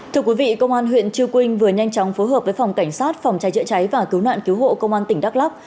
thưa quý vị công an huyện chiu quynh vừa nhanh chóng phối hợp với phòng cảnh sát phòng chai trợ cháy và cứu nạn cứu hộ công an tỉnh đắk lắk